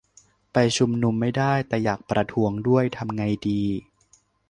ไปชุมนุมไม่ได้ แต่อยากประท้วงด้วย ทำไงดี ?